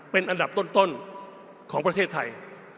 เป็นอันดับต้นของประเทศไทย